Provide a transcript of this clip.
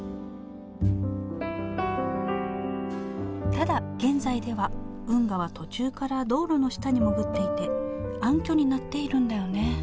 ただ現在では運河は途中から道路の下に潜っていて暗渠になっているんだよね